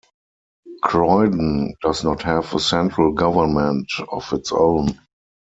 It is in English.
Croydon does not have a central government of its own.